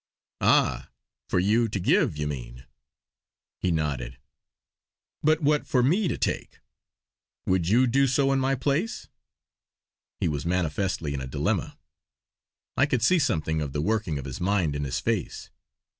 "Ah, for you to give you mean?" He nodded. "But what for me to take? Would you do so in my place?" He was manifestly in a dilemma. I could see something of the working of his mind in his face.